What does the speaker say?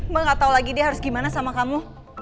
mbak gak tahu lagi dia harus gimana sama kamu